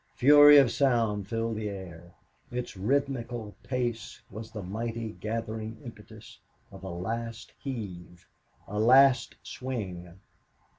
Fury of sound filled the air. Its rhythmical pace was the mighty gathering impetus of a last heave, a last swing.